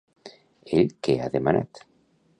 Ell què ha demanat?